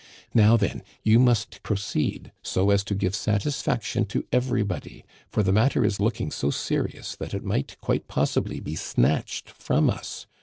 "Now, then, you must proceed so as to give satisfaction to everybody, for the matter is looking so serious that it might quite possibly be snatched from us.